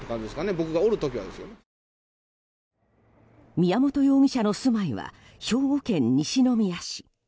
宮本容疑者の住まいは兵庫県西宮市。